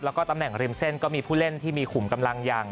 แล้วก็ตำแหน่งริมเส้นก็มีผู้เล่นที่มีขุมกำลังอย่าง